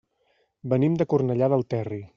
Venim de Cornellà del Terri.